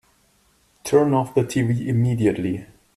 Turn off the tv immediately!